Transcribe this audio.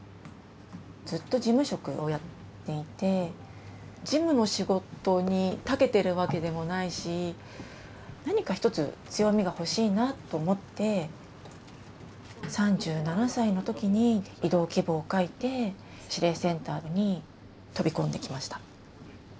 ずっと事務職をやっていて事務の仕事にたけてるわけでもないし何か一つ強みが欲しいなあと思って３７歳の時に異動希望書いて指令センターに飛び込んできました。